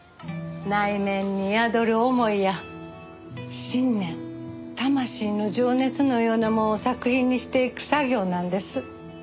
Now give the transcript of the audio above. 内面に宿る思いや信念魂の情熱のようなもんを作品にしていく作業なんです。